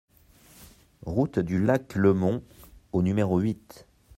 Route du Lac Le Mont au numéro huit